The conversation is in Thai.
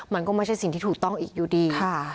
มันก็ไม่ใช่สิ่งที่ถูกต้องอีกอยู่ดี